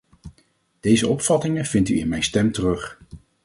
Deze opvattingen vindt u in mijn stem terug.